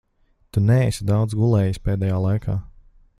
Tu neesi daudz gulējis pēdējā laikā.